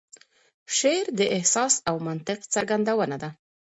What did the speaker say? شعر د احساس او منطق څرګندونه ده.